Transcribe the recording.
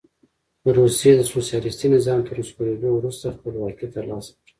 د روسیې د سوسیالیستي نظام تر نسکورېدو وروسته خپلواکي ترلاسه کړه.